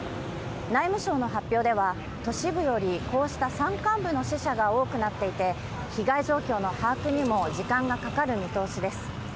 内務省の発表では、都市部よりこうした山間部の死者が多くなっていて、被害状況の把握にも時間がかかる見通しです。